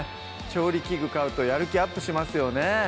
調理器具買うとやる気アップしますよね